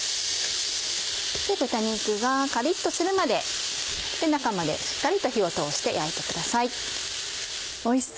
豚肉がカリっとするまで中までしっかりと火を通して焼いてください。